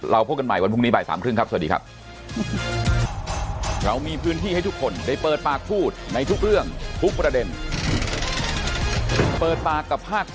เราพบกันใหม่วันพรุ่งนี้บ่าย๓๓๐ครับ